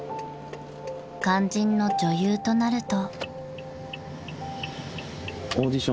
［肝心の女優となると］